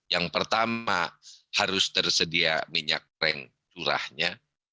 yang pertama harus tersedia minyak goreng curahnya